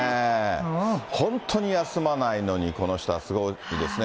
本当に休まないのに、この人はすごいんですね。